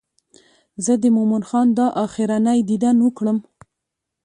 زه د مومن خان دا آخرنی دیدن وکړم.